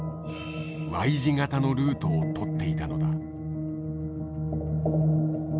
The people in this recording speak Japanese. Ｙ字型のルートを取っていたのだ。